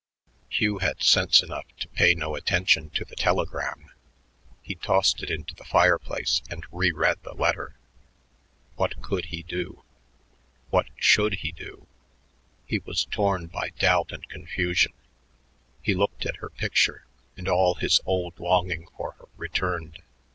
Hugh had sense enough to pay no attention to the telegram; he tossed it into the fireplace and reread the letter. What could he do? What should he do? He was torn by doubt and confusion. He looked at her picture, and all his old longing for her returned.